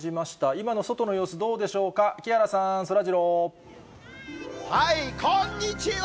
今の外の様子、どうでしょうか、こんにちは。